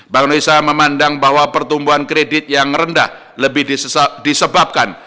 bank indonesia memandang bahwa pertumbuhan kredit yang rendah lebih disebabkan